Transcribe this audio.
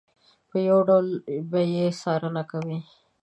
په یو ډول به یې څارنه کوي.